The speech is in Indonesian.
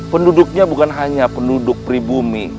penduduknya bukan hanya penduduk pribumi